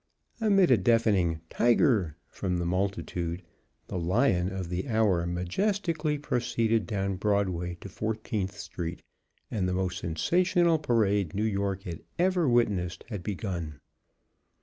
Amid a deafening "tiger" from the multitude, the "lion" of the hour majestically proceeded down Broadway to Fourteenth Street; and the most sensational parade New York had ever witnessed had begun.